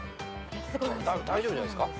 大丈夫じゃないっすか？